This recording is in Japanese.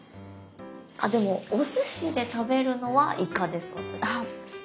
あでもおすしで食べるのはイカです私。